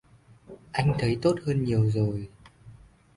Anh thấy tốt hơn nhiều rồi